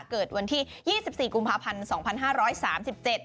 เกิดวันที่๒๔กุมภาพันธ์๒๕๓๗